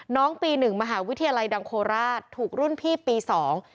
น้องปีหนึ่งมหาวิทยาลัยดังโคราชถูกรุ่นพี่ปีสอง